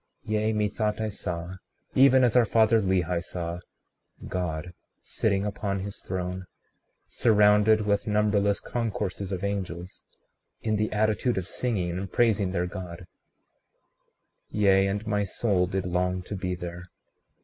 36:22 Yea, methought I saw, even as our father Lehi saw, God sitting upon his throne, surrounded with numberless concourses of angels, in the attitude of singing and praising their God; yea, and my soul did long to be there.